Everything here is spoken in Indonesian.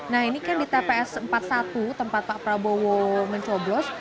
nah ini kan di tps empat puluh satu tempat pak prabowo mencoblos